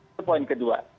itu poin kedua